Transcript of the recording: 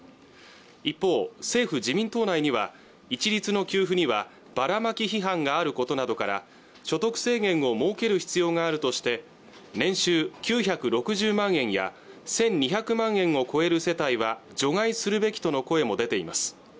一方政府自民党内には一律の給付にはばらまき批判があることなどから所得制限を設ける必要があるとして年収９６０万円や１２００万円を超える世帯は除外するべきとの声も出ています